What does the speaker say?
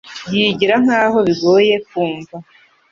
Yigira nkaho bigoye kumva